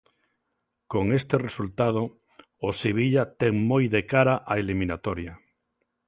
Con este resultado, o Sevilla ten moi de cara a eliminatoria.